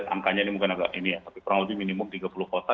angkanya ini mungkin agak ini ya tapi kurang lebih minimum tiga puluh kota